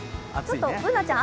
Ｂｏｏｎａちゃん